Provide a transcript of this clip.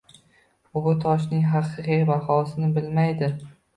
U bu toshning haqiqiy bahosini bilmaydi